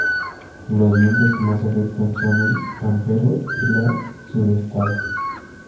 Los vientos que más afectan son el Pampero y la Sudestada.